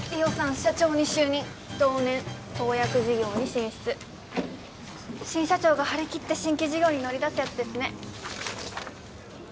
社長に就任同年創薬事業に進出新社長が張り切って新規事業に乗り出すやつですね